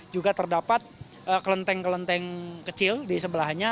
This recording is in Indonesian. juga terdapat kelenteng kelenteng kecil di sebelahnya